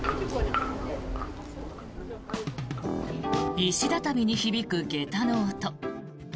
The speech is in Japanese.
石畳に響く下駄の音。